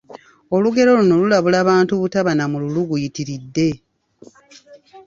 Olugero luno lulabula bantu butaba na mululu guyitiridde